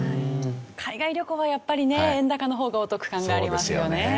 海外旅行はやっぱりね円高の方がお得感がありますよね。